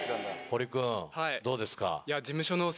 堀君どうですか？